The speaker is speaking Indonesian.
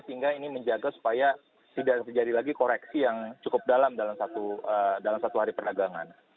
sehingga ini menjaga supaya tidak terjadi lagi koreksi yang cukup dalam satu hari perdagangan